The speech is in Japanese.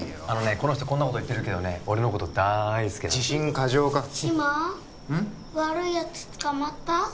あのねこの人こんなこと言ってるけどね俺のことだいすきなの自信過剰か志摩悪いやつ捕まった？